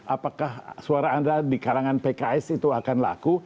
apakah suara anda di karangan pks itu akan laku